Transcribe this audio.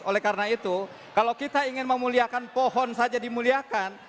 oleh karena itu kalau kita ingin memuliakan pohon saja dimuliakan